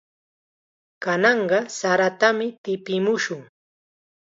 Kananqa saratam tipimushun.